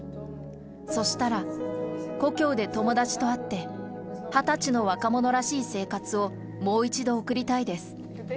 そしたら、故郷で友達と会って、２０歳の若者らしい生活をもう一度送りたいです。